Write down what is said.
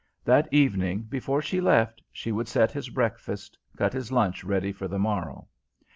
That evening, before she left, she would set his breakfast, cut his lunch ready for the morrow.